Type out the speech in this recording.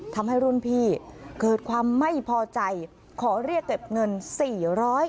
ทำให้รุ่นพี่เกิดความไม่พอใจขอเรียกเก็บเงินสี่ร้อย